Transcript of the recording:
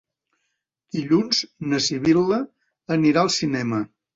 Dilluns na Sibil·la anirà al cinema.